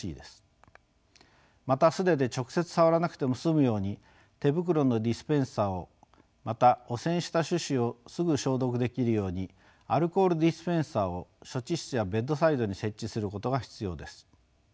また素手で直接触らなくても済むように手袋のディスペンサーをまた汚染した手指をすぐ消毒できるようにアルコールディスペンサーを処置室やベッドサイドに設置することが必要です。